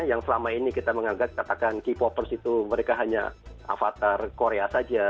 yang selama ini kita menganggap katakan k popers itu mereka hanya avatar korea saja